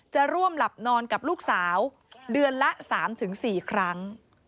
จะร่วมหลับนอนกับลูกสาวเดือนละ๓๔ครั้ง